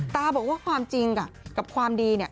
ตาบอกว่าความจริงกับความดีเนี่ย